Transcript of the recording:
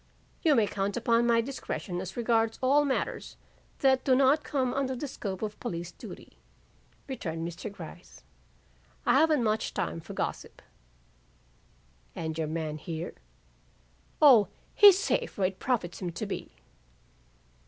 "You may count upon my discretion as regards all matters that do not come under the scope of police duty," returned Mr. Gryce. "I haven't much time for gossip." "And your man here?" "O, he's safe where it profits him to be."